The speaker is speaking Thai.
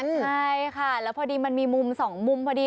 ใช่ค่ะแล้วพอดีมันมีมุมสองมุมพอดี